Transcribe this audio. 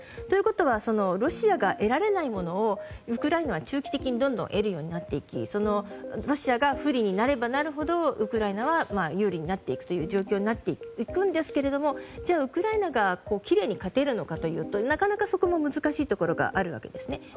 ということはロシアが得られないものをウクライナは中期的にどんどん得られるようになってロシアが不利になるほどウクライナは有利になっていくという状況になっていくんですがじゃあ、ウクライナがきれいに勝てるのかというとなかなかそこも難しいところがあるわけですね。